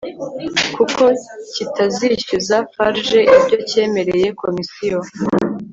ko kitazishyuza FARG ibyo cyemereye Komisiyo